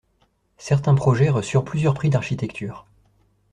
Certains projets reçurent plusieurs prix d'architecture.